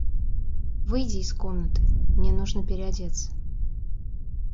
Выйди из комнаты! Мне нужно переодеться.